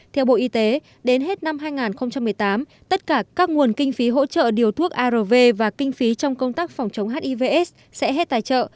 theo bộ y tế đến hết năm hai nghìn một mươi tám tất cả các nguồn kinh phí hỗ trợ điều thuốc arv và kinh phí trong công tác phòng chống hivs sẽ hết tài trợ